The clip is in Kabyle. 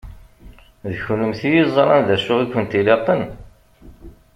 D kennemti i yeẓṛan d acu i kent-ilaqen.